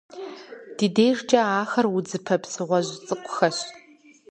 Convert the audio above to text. Ди дежкӏэ ахэр удзыпэ псыгъуэжь цӏыкӏухэщ.